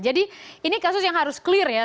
jadi ini kasus yang harus clear ya